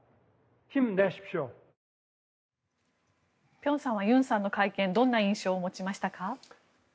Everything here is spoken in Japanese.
辺さんはユンさんの会見どんな印象を持ちましたか？